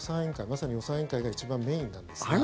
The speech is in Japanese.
まさに予算委員会が一番メインなんですが。